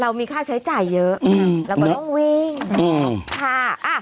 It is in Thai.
เรามีค่าใช้จ่ายเยอะอืมเราก็ต้องวิ่งอืมค่ะอ่ะ